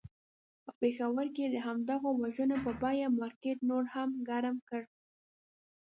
په پېښور کې یې د همدغو وژنو په بیه مارکېټ نور هم ګرم کړ.